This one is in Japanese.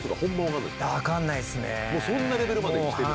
もうそんなレベルまできてる？